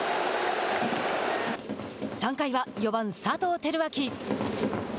３回は、４番佐藤輝明。